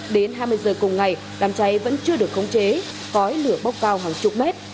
đến hai mươi giờ cùng ngày đám cháy vẫn chưa được khống chế khói lửa bốc cao hàng chục mét